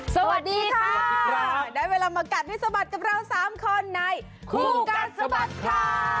สวัสดีค่ะได้เวลามากัดให้สะบัดกับเรา๓คนในคู่กัดสะบัดข่าว